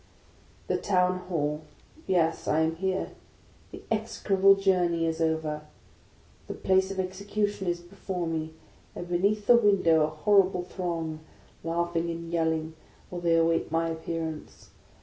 r llHE Town Hall. Yes, I am here; the execrable journey A is over. The place of execution is before me, and be neath the window, a horrible throng, laughing and yelling, while they await my appearance.